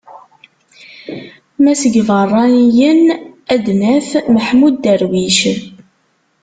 Ma seg yibeṛṛaniyen ad d-naf: Maḥmud Darwic.